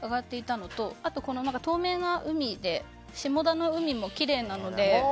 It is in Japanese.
あと、透明な海で下田の海もきれいなので。